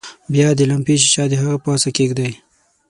بیا د لمپې ښيښه د هغه د پاسه کیږدئ.